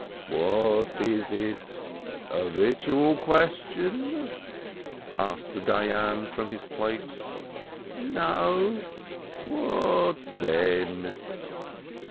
"What is it, a ritual question ?" asked the Dayan from his place. "No." "What then?"